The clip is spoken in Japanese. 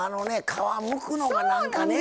皮むくのがなんかね。